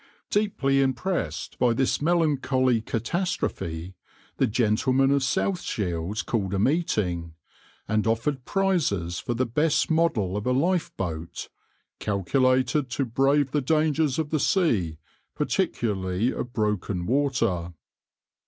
\par Deeply impressed by this melancholy catastrophe, the gentlemen of South Shields called a meeting, and offered prizes for the best model of a lifeboat "calculated to brave the dangers of the sea, particularly of broken water."